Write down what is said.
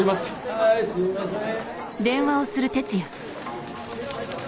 はいすいません。